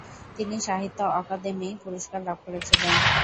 তিনি সাহিত্য অকাদেমি পুরস্কার লাভ করেছিলেন।